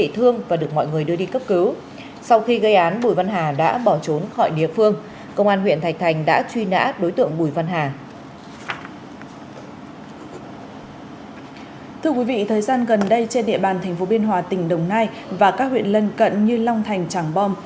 thưa quý vị thời gian gần đây trên địa bàn tp biên hòa tỉnh đồng nai và các huyện lân cận như long thành tràng bom